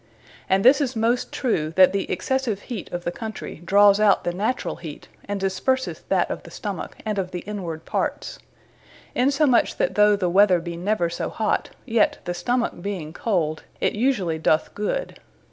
And this is most true, that the excessive heate of the Country, drawes out the naturall heate, and disperseth that of the stomack and of the inward parts: Insomuch that though the weather be never so hot, yet the stomack being cold, it usually doth good.